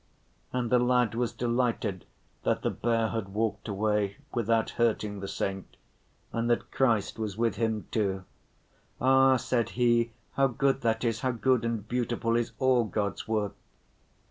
And the lad was delighted that the bear had walked away without hurting the saint, and that Christ was with him too. "Ah," said he, "how good that is, how good and beautiful is all God's work!"